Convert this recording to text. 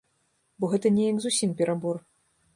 Бо гэта неяк зусім перабор.